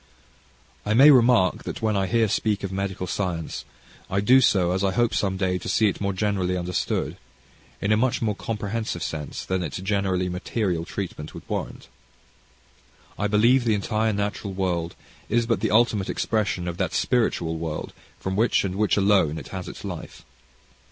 I may remark, that when I here speak of medical science, I do so, as I hope some day to see it more generally understood, in a much more comprehensive sense than its generally material treatment would warrant. I believe the entire natural world is but the ultimate expression of that spiritual world from which, and in which alone, it has its life.